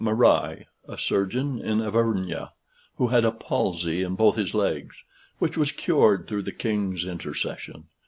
Marais, a surgeon in Auvergne, who had a palsy in both his legs, which was cured through the king's intercession.